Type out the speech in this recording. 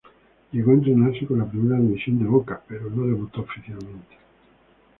Llegó a entrenarse con la primera división de Boca, pero no debutó oficialmente.